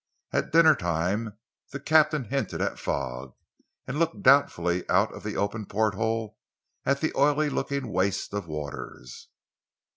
At dinner time the captain hinted at fog, and looked doubtfully out of the open porthole at the oily looking waste of waters.